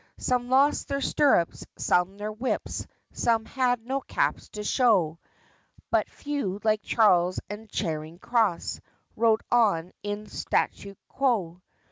Some lost their stirrups, some their whips, Some had no caps to show; But few, like Charles at Charing Cross, Rode on in Statue quo.